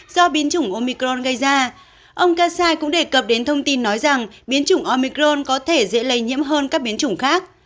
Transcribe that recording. do biến chủng omicron gây ra ông kassai cũng đề cập đến thông tin nói rằng biến chủng omicron có thể dễ lây nhiễm hơn các biến chủng khác